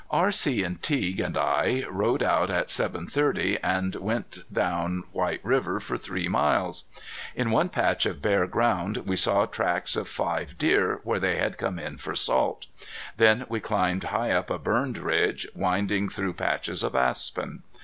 R.C. and Teague and I rode out at seven thirty and went down White River for three miles. In one patch of bare ground we saw tracks of five deer where they had come in for salt. Then we climbed high up a burned ridge, winding through patches of aspen.